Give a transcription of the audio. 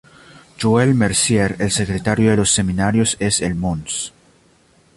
Joël Mercier, el secretario de los seminarios es el Mons.